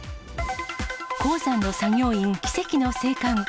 鉱山の作業員奇跡の生還。